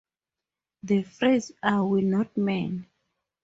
The phrase Are we not men?